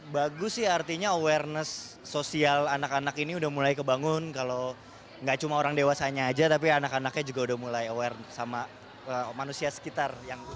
bagus sih artinya awareness sosial anak anak ini udah mulai kebangun kalau nggak cuma orang dewasanya aja tapi anak anaknya juga udah mulai aware sama manusia sekitar